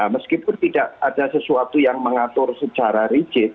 meskipun tidak ada sesuatu yang mengatur secara rigid